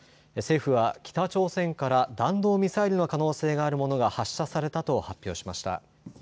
政府は北朝鮮から弾道ミサイルの可能性があるものが発射されたと発表しました。